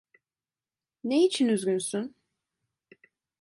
Ne için üzgünsün?